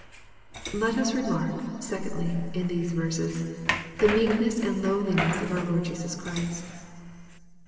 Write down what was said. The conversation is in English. Let us mark, secondly, in these verses, the meekness and lowliness of our Lord Jesus Christ.